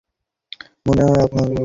আমার মনে হয় আপনার যাওয়া উচিত।